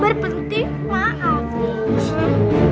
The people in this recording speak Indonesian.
emang ada kabar penting